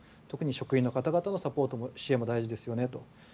特に職員の方々のサポートの支援も大事ですよねと。